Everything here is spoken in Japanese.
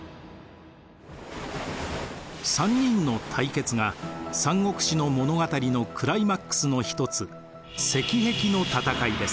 ３人の対決が「三国志」の物語のクライマックスの一つ赤壁の戦いです。